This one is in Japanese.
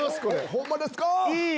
ホンマですか？